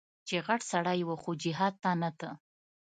چې غټ سړى و خو جهاد ته نه ته.